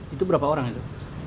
itu berapa orang itu